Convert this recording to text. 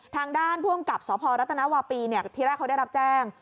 ทางด้านผู้อำกับสพรัฐนาวาปีที่แรกเขาได้รับแจ้ง